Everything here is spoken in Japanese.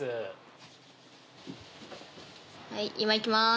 はい今行きます